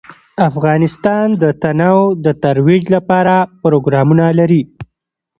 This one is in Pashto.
افغانستان د تنوع د ترویج لپاره پروګرامونه لري.